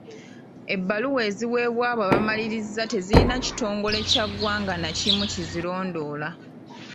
Ebbaluwa eziweebwa abo abamalirizza tezirina kitongole kya ggwanga na kimu kizirondoola. .